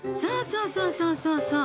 そうそうそうそう。